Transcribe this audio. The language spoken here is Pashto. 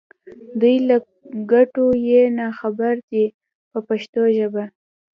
دوی له ګټو یې نا خبره دي په پښتو ژبه.